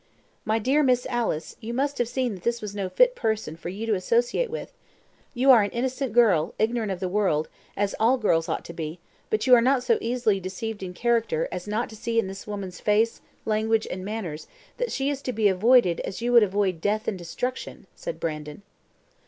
"My dear Miss Alice, you must have seen that this was no fit person for you to associate with. You are an innocent girl, ignorant of the world, as all girls ought to be; but you are not so easily deceived in character as not to see in this woman's face, language, and manners, that she is to be avoided as you would avoid death and destruction," said Brandon.